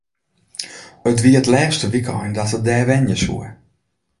It wie it lêste wykein dat er dêr wenje soe.